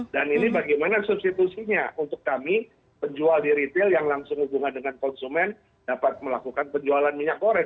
dan ini bagaimana substitusinya untuk kami penjual di ritel yang langsung hubungan dengan konsumen dapat melakukan penjualan minyak goreng